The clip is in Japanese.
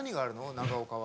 長岡は。